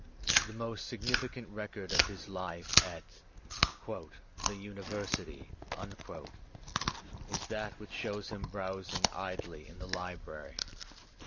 The most significant record of his life at "the University" is that which shows him browsing idly in the library.